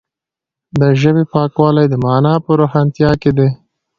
د ژبې پاکوالی د معنا په روښانتیا کې دی.